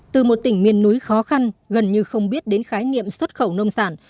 từ một tỉnh miền núi khó khăn gần như không biết đến khái nghiệm xuất khẩu nông sản